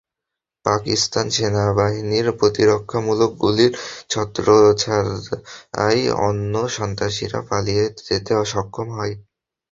পাকিস্তান সেনাবাহিনীর প্রতিরক্ষামূলক গুলির ছত্রচ্ছায়ায় অন্য সন্ত্রাসীরা পালিয়ে যেতে সক্ষম হয়।